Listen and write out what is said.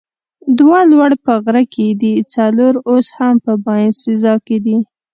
دوه لوړ په غره کې دي، څلور اوس هم په باینسیزا کې دي.